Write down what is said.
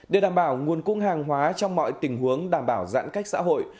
để đảm bảo nguồn cung hàng hóa trong mọi tình huống đảm bảo giãn cách xã hội